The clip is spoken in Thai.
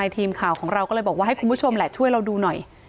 ทีมข่าวของเราก็เลยบอกว่าให้คุณผู้ชมแหละช่วยเราดูหน่อย